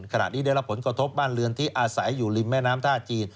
ขณะนี้ได้รับผลกระทบบ้านเรือนที่อาศัยอยู่ริมแม่น้ำท่าจีน